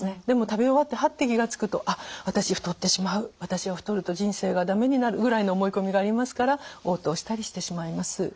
でも食べ終わってハッて気が付くとあっ私太ってしまう私は太ると人生が駄目になるぐらいの思い込みがありますからおう吐をしたりしてしまいます。